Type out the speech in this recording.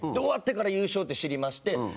終わってから優勝って知りまして。